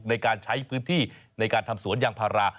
ในการใช้พื้นที่ในการทำสวนยางพารา